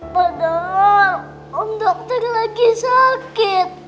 padahal om dokter lagi sakit